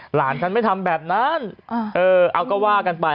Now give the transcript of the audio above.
หลานฉันไม่ทำแบบนั้นเออเอาก็ว่ากันไป